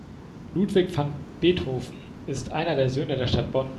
Ludwig van Beethoven ist einer der Söhne der Stadt Bonn.